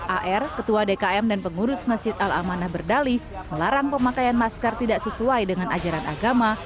ar ketua dkm dan pengurus masjid al amanah berdalih melarang pemakaian masker tidak sesuai dengan ajaran agama